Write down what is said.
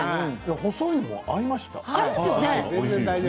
細いのも合いますね。